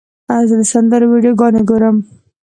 زه د سندرو ویډیوګانې ګورم.